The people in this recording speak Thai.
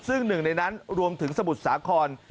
ซึ่งหนึ่งในนั้นรวมถึงสมุทรสาคร